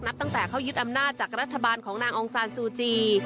ตั้งแต่เขายึดอำนาจจากรัฐบาลของนางองซานซูจี